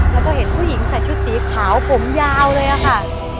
แล้วก็เห็นผู้หญิงใส่ชุดสีขาวผมยาวเลยค่ะ